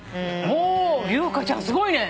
ほう優香ちゃんすごいね。